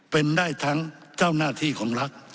เป็นได้ทั้งเจ้าหน้าที่ของรัฐ